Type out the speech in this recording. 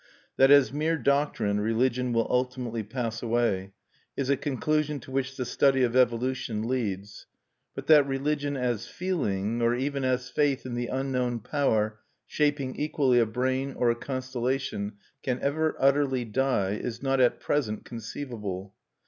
That as mere doctrine religion will ultimately pass away is a conclusion to which the study of evolution leads; but that religion as feeling, or even as faith in the unknown power shaping equally a brain or a constellation, can ever utterly die, is not at present conceivable.